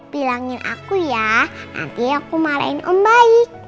bilangin aku ya nanti aku marahin mbak